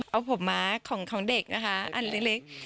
เอาผมม้าของเด็กนะคะอันเล็ก